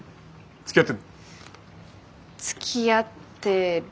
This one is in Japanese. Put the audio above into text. つきあってる。